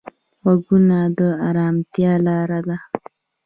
غوږونه د ارامتیا لاره ده